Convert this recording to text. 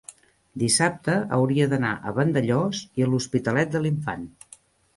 dissabte hauria d'anar a Vandellòs i l'Hospitalet de l'Infant.